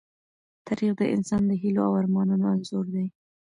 تاریخ د انسان د هيلو او ارمانونو انځور دی.